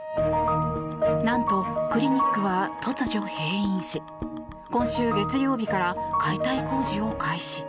何と、クリニックは突如閉院し今週月曜日から解体工事を開始。